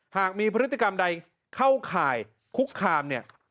หากมีพฤติกรรมใดเข้าข่ายคุกคามเนี่ย